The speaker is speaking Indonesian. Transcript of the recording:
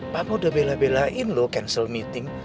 kamu udah bela belain loh cancel meeting